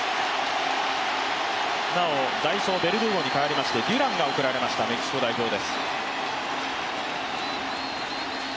なお、代走ベルドゥーゴに代わりましてデュランが送られたメキシコ代表です。